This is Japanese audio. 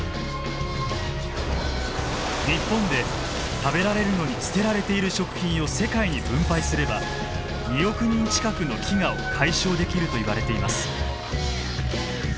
日本で食べられるのに捨てられている食品を世界に分配すれば２億人近くの飢餓を解消できるといわれています。